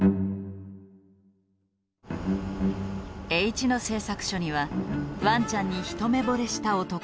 Ｈ野製作所にはワンちゃんに一目ぼれした男がいた。